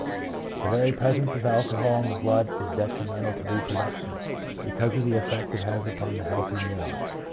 The very presence of alcohol in the blood is detri mental to reproduction, because of the effect it has upon the healthy neuron.